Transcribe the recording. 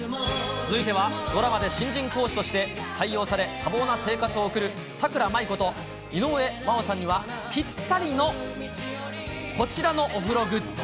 続いては、ドラマで新人講師として採用され、多忙な生活を送る、佐倉麻依こと井上真央さんにはぴったりのこちらのお風呂グッズ。